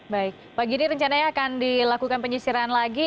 baik pak giri rencananya akan dilakukan penyisiran lagi